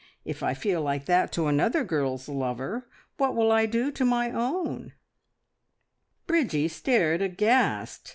If I feel like that to another girl's lover, what will I do to my own?" Bridgie stared aghast.